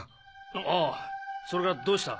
ああそれがどうした？